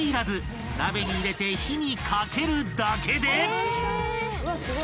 ［鍋に入れて火にかけるだけで］